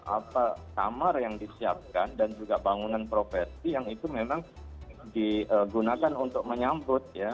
apa kamar yang disiapkan dan juga bangunan properti yang itu memang digunakan untuk menyambut ya